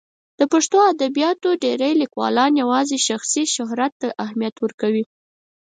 د پښتو ادبیاتو ډېری لیکوالان یوازې شخصي شهرت ته اهمیت ورکوي.